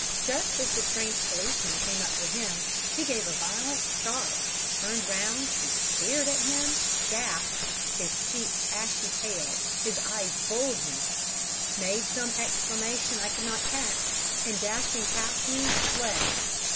Just as the strange policeman came up to him, he gave a violent start, turned round and stared at him, gasped, his cheeks ashy pale, his eyes bulging, made some exclamation I could not catch, and, dashing past me, fled.